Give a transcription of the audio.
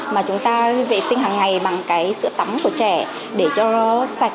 mà chúng ta vệ sinh hàng ngày bằng cái sữa tắm của trẻ để cho nó sạch